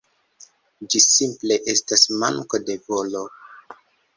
Ĝi simple estas manko de volo.